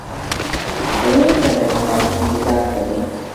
ورور ته د ښه راتلونکي دعا کوې.